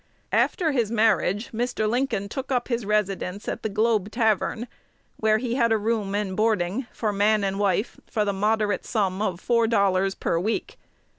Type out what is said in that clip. After his marriage, Mr. Lincoln took up his residence at the "Globe Tavern," where he had a room and boarding for man and wife for the moderate sum of four dollars per week.